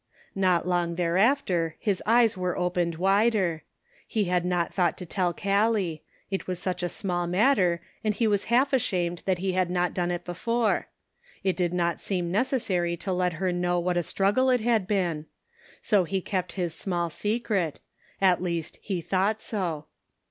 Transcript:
Not long thereafter his eyes were opened wider. He had not thought to tell Gallic ; it was such a little matter, and he was half ashamed that he had not done it before; it did not seem necessary to let her know what a struggle it had been ; so he kept his small secret — at least he thought so.